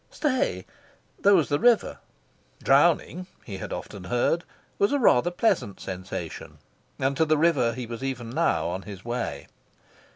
Stay! there was the river. Drowning (he had often heard) was a rather pleasant sensation. And to the river he was even now on his way.